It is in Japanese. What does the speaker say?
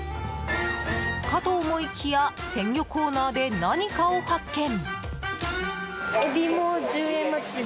かと思いきや鮮魚コーナーで何かを発見。